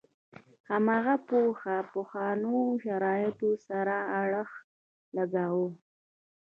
هماغه پوهه پخوانو شرایطو سره اړخ لګاوه.